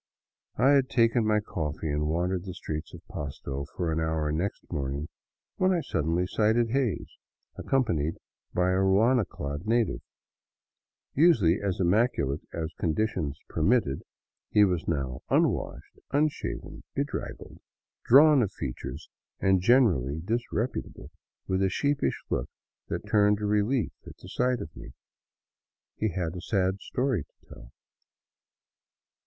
I had taken my coffee and wandered the streets of Pasto for an hour next morning when I suddenly sighted Hays, accompanied by a ruana clad native. Usually as immaculate as conditions permitted, he was now unwashed, unshaven, bedraggled, drawn of features and generally disreputable, with a sheepish look that turned to relief at sight of me. He had a sad story to tell.